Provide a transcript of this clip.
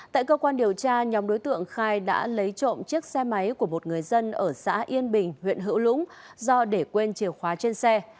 tại cơ quan điều tra nhóm đối tượng khai đã lấy trộm chiếc xe máy của một người dân ở xã yên bình huyện hữu lũng do để quên chìa khóa trên xe